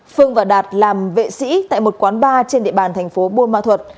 phương và đạt làm vệ sĩ tại một quán bar trên địa bàn thành phố bồ mạ thuật